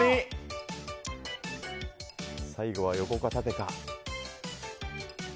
最後は横か、縦か。